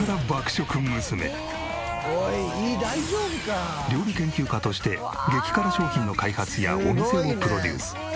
「おい胃大丈夫か？」料理研究家として激辛商品の開発やお店をプロデュース。